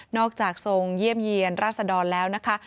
อกจากทรงเยี่ยมเยี่ยนราษดรแล้วนะคะ